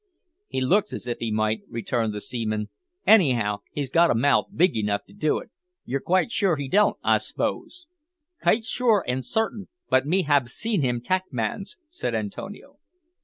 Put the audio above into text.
"He looks as if he might," returned the seaman; "anyhow, he's got a mouth big enough to do it. You're quite sure he don't, I 'spose?" "Kite sure an' sartin; but me hab seen him tak mans," said Antonio.